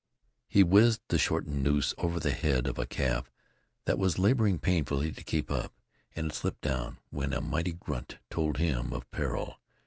He whizzed the shortened noose over the head of a calf that was laboring painfully to keep up, and had slipped down, when a mighty grunt told him of peril.